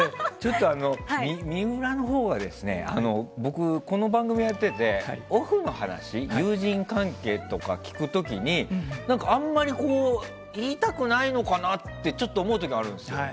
水卜のほうは僕、この番組をやっててオフの話友人関係とかを聞く時にあまり言いたくないのかなって思う時があるんですよ。